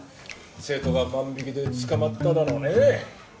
生徒が万引きで捕まっただのね